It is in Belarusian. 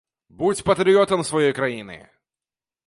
Будзь патрыётам сваёй краіны!